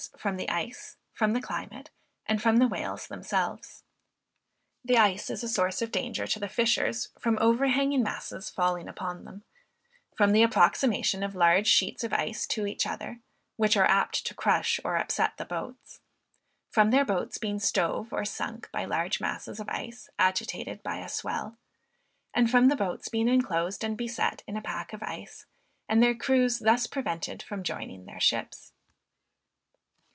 from the ice, from the climate, and from the whales themselves. The ice is a source of danger to the fishers, from overhanging masses falling upon them, from the approximation of large sheets of ice to each other, which are apt to crush or upset the boats, from their boats being stove or sunk by large masses of ice, agitated by a swell, and from the boats being enclosed and beset in a pack of ice, and their crews thus prevented from joining their ships.